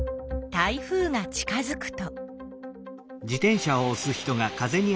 台風が近づくと。